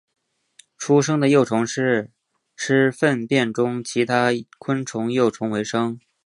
出生的幼虫是吃粪便中其他昆虫幼虫为生。